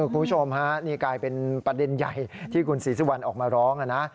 คุณผู้ชมฮะนี่กลายเป็นประเด็นใหญ่ที่คุณศรีสุวรรณออกมาร้องนะ